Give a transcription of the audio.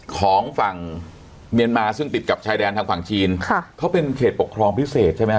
ของฝั่งเมียนมาซึ่งติดกับชายแดนทางฝั่งจีนค่ะเขาเป็นเขตปกครองพิเศษใช่ไหมฮ